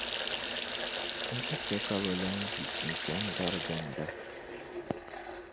n ku chɛ ka bɛ lan yi n-chani dari ginda.